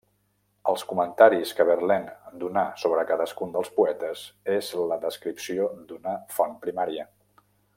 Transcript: Els comentaris que Verlaine donà sobre cadascun dels poetes és la descripció d'una font primària.